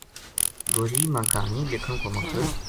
گوجری ما گہانی لکھن کو مقصد